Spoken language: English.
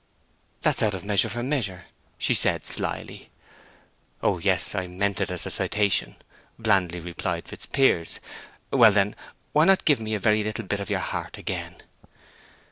'" "That's out of Measure for Measure," said she, slyly. "Oh yes—I meant it as a citation," blandly replied Fitzpiers. "Well, then, why not give me a very little bit of your heart again?"